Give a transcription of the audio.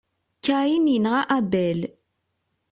Kain yenɣa Abel.